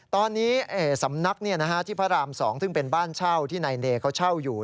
ตอนนี้สำนักที่พระราม๒ซึ่งเป็นบ้านเช่าที่นายเนเขาเช่าอยู่